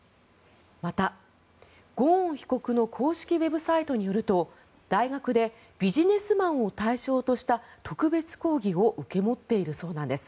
また、ゴーン被告の公式ウェブサイトによると大学でビジネスマンを対象とした特別講義を受け持っているそうなんです。